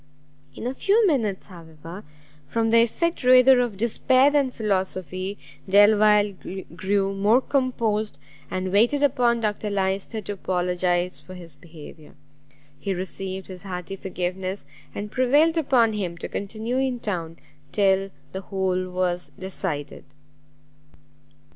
In a few minutes, however, from the effect rather of despair than philosophy, Delvile grew more composed, and waited upon Dr Lyster to apologize for his behaviour. He received his hearty forgiveness, and prevailed upon him to continue in town till the whole was decided.